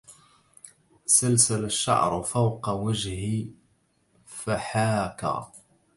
سلسل الشعر فوق وجه فحاكى